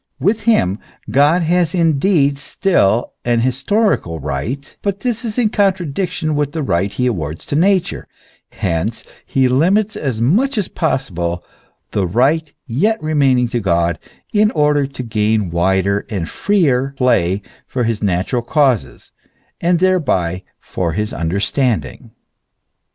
With him God has indeed still an historical right, but this is in contradiction with the right he awards to Nature; hence he limits as much as possible the right yet remaining to God, in order to gain wider and freer play for his natural causes, and thereby for his understanding.